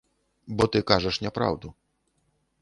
Бо ты кажаш няпраўду.